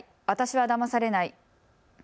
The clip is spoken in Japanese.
私はだまされない。